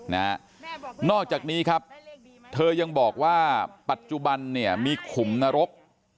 นอกจากนี้ครับเธอยังบอกว่าปัจจุบันเนี่ยมีขุมนรก